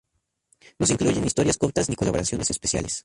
No se incluyen historias cortas ni colaboraciones especiales.